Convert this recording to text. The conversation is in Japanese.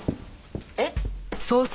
えっ？